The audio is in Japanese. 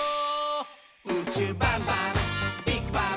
「うちゅうバンバンビッグバン！」